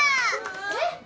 えっ？